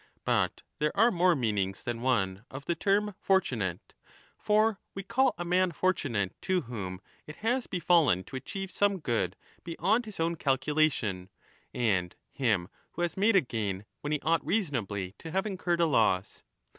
But there are more meanings than one of the term ' fortunate *. For we call a man fortunate to whom it has befallen to achieve some good 30 beyond his own calculation, and him who has made a gain when he ought reasonably to have incurred a loss.